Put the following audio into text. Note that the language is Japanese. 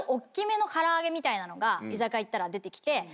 みたいなのが居酒屋行ったら出てきて。